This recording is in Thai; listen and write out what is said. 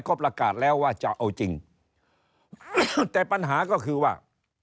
เขาประกาศแล้วว่าจะเอาจริงแต่ปัญหาก็คือว่า